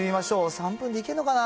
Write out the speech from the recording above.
３分でいけるのかな。